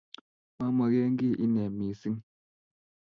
Mamage kiy ine missing